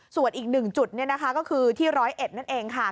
ส่วนอีกหนึ่งจุดก็คือที่ร้อยเอ็ดนั่นเองค่ะ